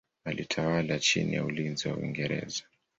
Alitawala chini ya ulinzi wa Uingereza.